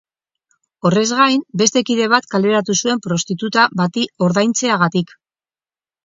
Horrez gain, beste kide bat kaleratu zuen prostituta bati ordaintzeagatik.